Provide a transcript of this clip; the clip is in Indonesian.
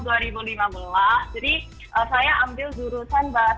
jadi saya ambil jurusan bahasa